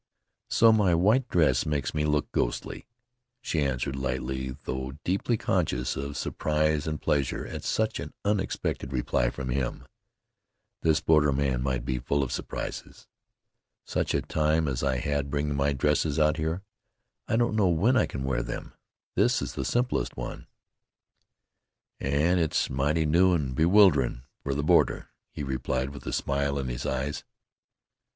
"So my white dress makes me look ghostly," she answered lightly, though deeply conscious of surprise and pleasure at such an unexpected reply from him. This borderman might be full of surprises. "Such a time as I had bringing my dresses out here! I don't know when I can wear them. This is the simplest one." "An' it's mighty new an' bewilderin' for the border," he replied with a smile in his eyes.